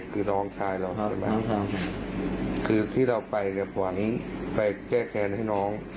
คือน้องชายเราคือที่เราไปเนี่ยหวังไปแก้แค้นให้น้อง